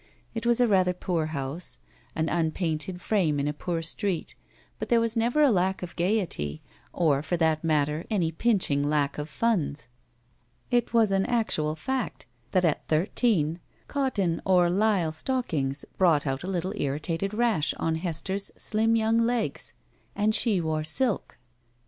It was a rather poor house, an un painted frame in a poor street, but there was never a lack of gayety or, for that matter, any pinching lack of funds. It was an actual fact that, at thir teen, cotton or Usle stockings brought out a little irritated rash on Hester's slim young legs, and she wore silk.